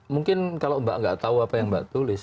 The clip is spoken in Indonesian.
mungkin kalo mbak gak tau apa yang mbak tulis